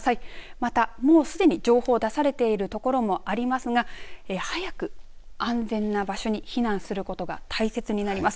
また、もうすでに情報を出されているところもありますが早く安全な場所に避難することが大切になります。